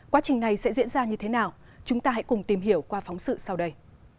quá trình này sẽ diễn ra như thế nào chúng ta hãy cùng tìm hiểu qua phóng sự sau đây